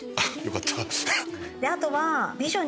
あとは。